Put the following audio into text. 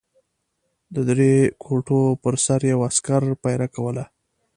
د درې کوټو پر سر یو عسکر پېره کوله.